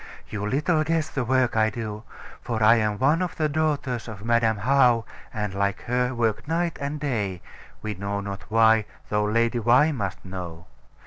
You little guess the work I do. For I am one of the daughters of Madam How, and, like her, work night and day, we know not why, though Lady Why must know.